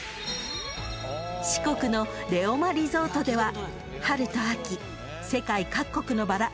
［四国のレオマリゾートでは春と秋世界各国のバラ